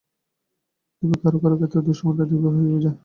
তবে কারো-কারো ক্ষেত্রে দুঃসময়টা দীর্ঘ হয়, এই যা।